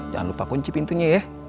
jangan lupa kunci pintunya ya